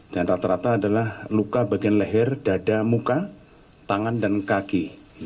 dan rata rata adalah luka bagian leher dada muka tangan dan kaki